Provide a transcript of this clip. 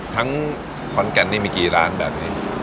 ขอนแก่นนี่มีกี่ร้านแบบนี้